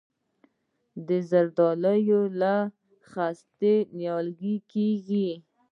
د زردالو له خستې نیالګی کیږي؟